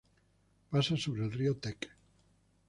Pasa sobre el río Tec.